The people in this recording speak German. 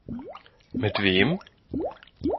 Mit wem?